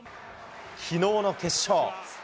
きのうの決勝。